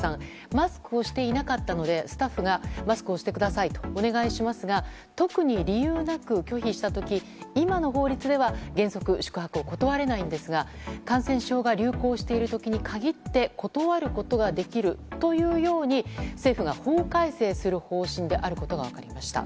マスクをしていなかったのでスタッフがマスクをしてくださいとお願いしますが特に理由なく拒否した時今の法律では原則、宿泊を断れないんですが感染症が流行している時に限って断ることができるというように政府が法改正する方針であることが分かりました。